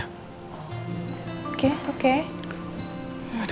tunggu sampai rosa dateng aja ya